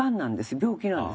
病気なんです。